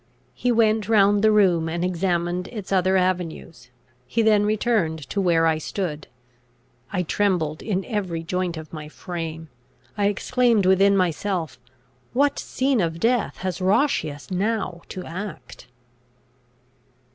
He went round the room, and examined its other avenues. He then returned to where I stood. I trembled in every joint of my frame. I exclaimed within myself, "What scene of death has Roscius now to act?"